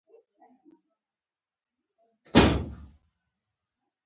خبره خه واوره که مناسبه وه جواب ورکړه که نه چوپ پاتي شته